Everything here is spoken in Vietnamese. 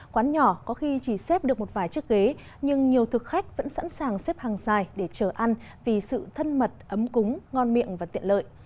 quán nhỏ có khi chỉ xếp được một vài chiếc ghế nhưng nhiều thực khách vẫn sẵn sàng xếp hàng dài để chờ ăn vì sự thân mật ấm cúng ngon miệng và tiện lợi